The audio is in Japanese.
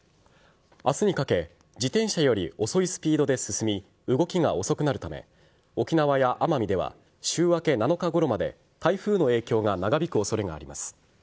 明日にかけ自転車より遅いスピードで進み動きが遅くなるため沖縄や奄美では週明け７日ごろまで台風の影響が長引く恐れがあります。